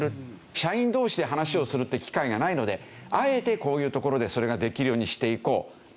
社員同士で話しをするって機会がないのであえてこういうところでそれができるようにしていこうという。